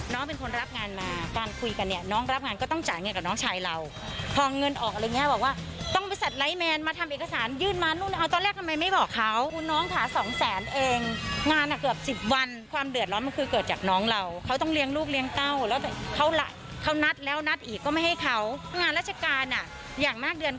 น้องเป็นคนรับงานมาการคุยกันเนี่ยน้องรับงานก็ต้องจ่ายเงินกับน้องชายเราพอเงินออกอะไรอย่างเงี้ยบอกว่าต้องบริษัทไลท์แมนมาทำเอกสารยื่นมานู่นเอาตอนแรกทำไมไม่บอกเขาน้องค่ะสองแสนเองงานอ่ะเกือบสิบวันความเดือดร้อนมันคือเกิดจากน้องเราเขาต้องเลี้ยงลูกเลี้ยงเต้าแล้วแต่เขานัดแล้วนัดอีกก็ไม่ให้เขางานราชการอ่ะอย่างมากเดือน